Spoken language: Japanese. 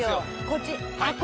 こっち。